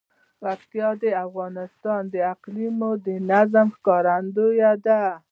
پکتیکا د افغانستان د اقلیمي نظام ښکارندوی ده.